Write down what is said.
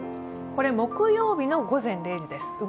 これ木曜日の午前０時です。